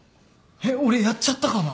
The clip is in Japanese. えっ俺やっちゃったかな？